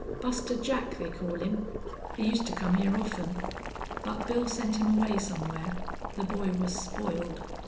Buster Jack, they call him. He used to come here often. But Bill sent him away somewhere. The boy was spoiled.